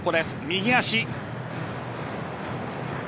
右足。